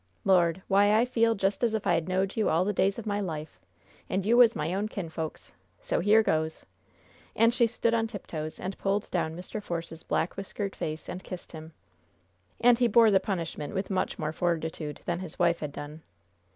Lord, why, I feel just as if I had knowed you all the days of my life, and you was my own kinfolks! So here goes!" And she stood on tiptoes and pulled down Mr. Force's black whiskered face and kissed him. And he bore the punishment with much more fortitude than his wife had done.